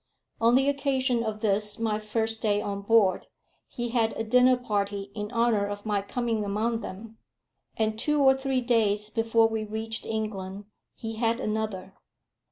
On the occasion of this my first day on board, he had a dinner party in honour of my coming among them; and two or three days before we reached England, he had another.